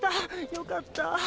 よかった！